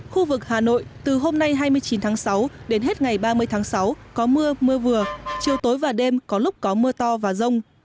khu vực hà nội từ hôm nay hai mươi chín tháng sáu đến hết ngày ba mươi tháng sáu có mưa mưa vừa chiều tối và đêm có lúc có mưa to và rông